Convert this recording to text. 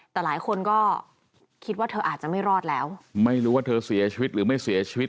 แต่หลายคนก็คิดว่าเธออาจจะไม่รอดแล้วไม่รู้ว่าเธอเสียชีวิตหรือไม่เสียชีวิต